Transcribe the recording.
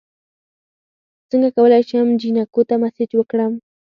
څنګه کولی شم جینکو ته میسج ورکړم